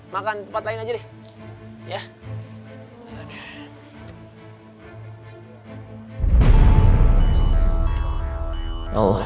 makan tempat lain aja deh